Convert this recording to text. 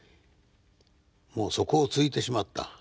もう底をついてしまった。